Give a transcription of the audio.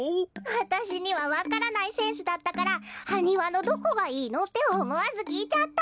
わたしにはわからないセンスだったから「ハニワのどこがいいの？」っておもわずきいちゃった。